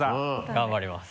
頑張ります。